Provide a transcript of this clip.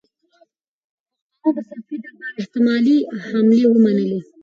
پښتنو د صفوي دربار احتمالي حملې ومنلې.